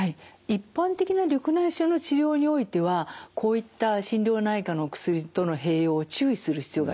一般的な緑内障の治療においてはこういった心療内科のお薬との併用を注意する必要があります。